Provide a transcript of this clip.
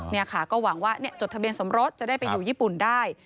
นี่ค่ะก็หวังว่าจดทะเบียนสมรสจะได้ไปอยู่ญี่ปุ่นได้